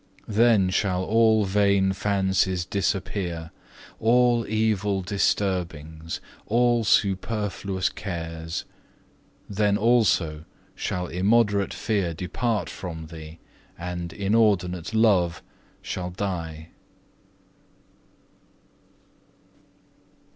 Then shall all vain fancies disappear, all evil disturbings, and superfluous cares. Then also shall immoderate fear depart from thee, and inordinate love shall die."